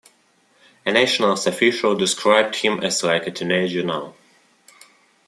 A Nationals official described him as "like a teenager now".